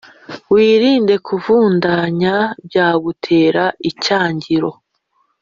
wirinde kuvundanya, byagutera icyangiro.